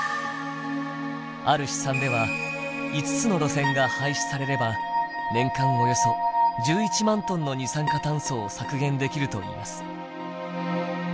ある試算では５つの路線が廃止されれば年間およそ１１万トンの二酸化炭素を削減できるといいます。